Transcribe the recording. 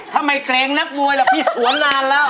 ดาเง่ด